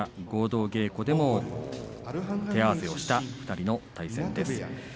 合同稽古でも手合わせをした２人の対戦です。